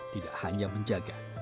tidak hanya menjaga